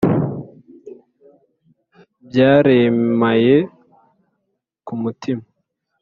Byaremaye ku mutima